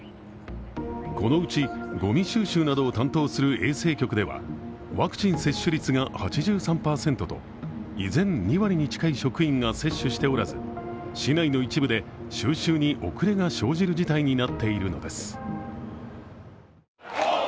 このうちごみ収集などを担当する衛生局ではワクチン接種率が８３％と依然２割に近い職員が接種しておらず、市内の一部で収集に遅れが生じる事態になっているのです。